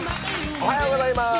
おはようございます。